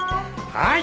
はい！